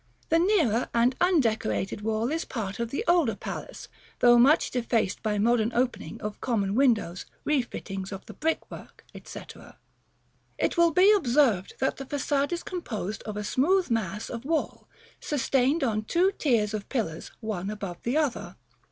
The nearer and undecorated wall is part of the older palace, though much defaced by modern opening of common windows, refittings of the brickwork, &c. [Illustration: Fig. XXXVIII.] § VI. It will be observed that the façade is composed of a smooth mass of wall, sustained on two tiers of pillars, one above the other.